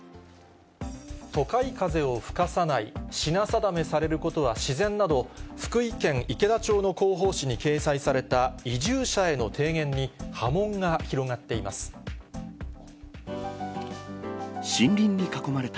都会風を吹かさない、品定めされることは自然など、福井県池田町の広報誌に掲載された移住者への提言に波紋が広がっ森林に囲まれた、